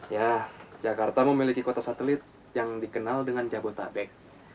ya jakarta memiliki kota satelit yang dikenal dengan jabodetabek